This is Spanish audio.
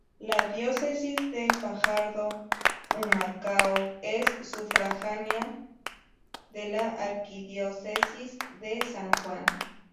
La Diócesis de Fajardo-Humacao es sufragánea de la Arquidiócesis de San Juan.